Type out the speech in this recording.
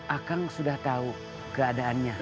akang sudah tau keadaannya